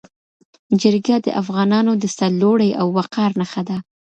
جرګه د افغانانو د سرلوړۍ او وقار نښه ده.